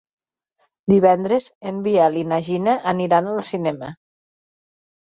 Divendres en Biel i na Gina aniran al cinema.